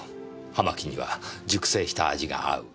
葉巻には熟成した味が合う。